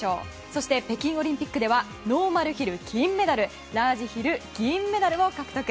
そして、北京オリンピックではノーマルヒル金メダルラージヒル銀メダルを獲得。